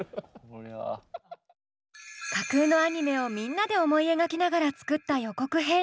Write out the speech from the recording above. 架空のアニメをみんなで思い描きながら作った予告編。